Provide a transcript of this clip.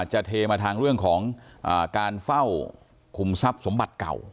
เทมาทางเรื่องของการเฝ้าคุมทรัพย์สมบัติเก่า